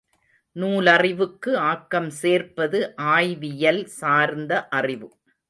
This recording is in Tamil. நூலறிவுக்கு ஆக்கம் சேர்ப்பது ஆய்வியல் சார்ந்த அறிவு.